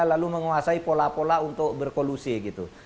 lalu menguasai pola pola untuk berkolusi gitu